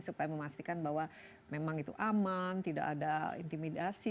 supaya memastikan bahwa memang itu aman tidak ada intimidasi